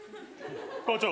校長